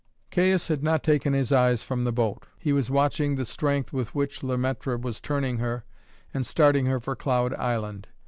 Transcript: Caius had not taken his eyes from the boat. He was watching the strength with which Le Maître was turning her and starting her for Cloud Island.